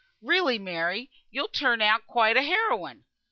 Really, Mary, you'll turn out quite a heroine."